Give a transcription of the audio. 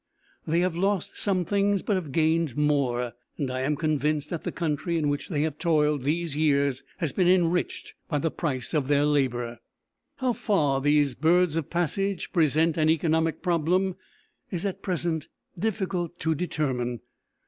They have lost some things but have gained more; and I am convinced that the country in which they have toiled these years has been enriched by the price of their labour. How far these birds of passage present an economic problem is at present difficult to determine.